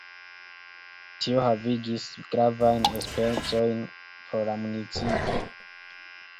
Tio havigis gravajn enspezojn por la municipo.